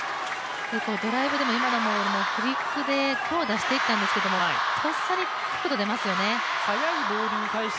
ドライブでも今のボールをフリックで強打していったんですけど、とっさに角度が出ますよね。